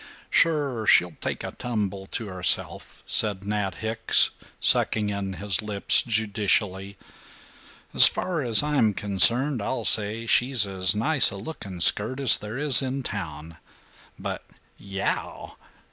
"Sure. She'll take a tumble to herself," said Nat Hicks, sucking in his lips judicially. "As far as I'm concerned, I'll say she's as nice a looking skirt as there is in town. But yow!"